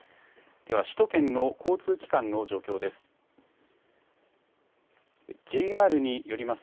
では首都圏の交通機関の状況です。